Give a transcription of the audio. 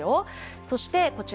そして、こちら。